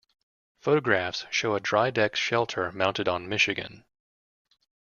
Photographs show a dry deck shelter mounted on "Michigan".